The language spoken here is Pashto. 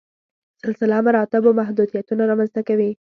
سلسله مراتبو محدودیتونه رامنځته کوي.